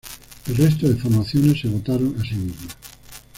El resto de formaciones se votaron a sí mismas.